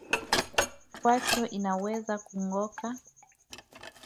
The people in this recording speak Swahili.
Kwato inaweza kungoka